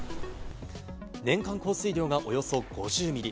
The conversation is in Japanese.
年間降水量がおよそ５０ミリ。